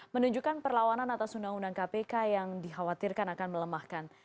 menunjukkan perlawanan atas undang undang kpk yang dikhawatirkan akan melemahkan